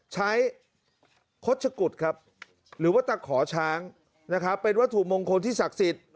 ใช้คดชะกุดครับหรือว่าตักขอช้างเป็นวัตถุมงคลที่ศักดิ์สิทธิ์